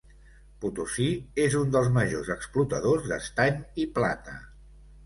Potosí és un dels majors explotadors d'estany i plata.